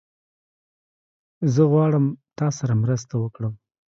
زه غواړم تاسره مرسته وکړم